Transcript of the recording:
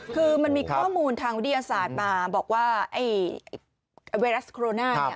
คือมันมีข้อมูลทางวิทยาศาสตร์มาบอกว่าไอ้ไวรัสโคโรนาเนี่ย